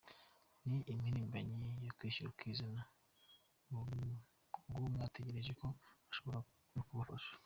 Ndi impirimbanyi y’ukwishyira ukizana uwo mwatekereje ko ashobora no kubafasha.